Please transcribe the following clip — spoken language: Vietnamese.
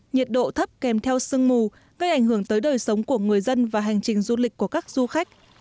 nhiệt độ thấp kèm theo sương mù gây ảnh hưởng tới đời sống của người dân và hành trình du lịch của các du khách